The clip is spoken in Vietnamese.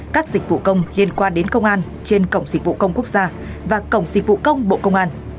các dịch vụ công liên quan đến công an trên cổng dịch vụ công quốc gia và cổng dịch vụ công bộ công an